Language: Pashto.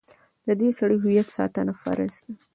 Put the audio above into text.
د دې هویت ساتنه فرض ده.